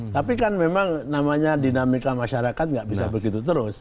tapi kan memang namanya dinamika masyarakat nggak bisa begitu terus